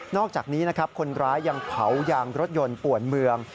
อกจากนี้นะครับคนร้ายยังเผายางรถยนต์ป่วนเมือง